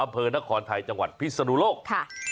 อำเภอนครไทยจังหวัดพิศนุโลก